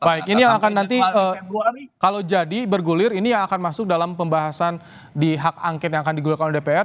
baik ini yang akan nanti kalau jadi bergulir ini yang akan masuk dalam pembahasan di hak angket yang akan digunakan oleh dpr